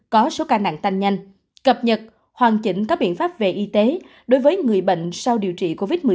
có số ca nặng tăng nhanh cập nhật hoàn chỉnh các biện pháp về y tế đối với người bệnh sau điều trị covid một mươi chín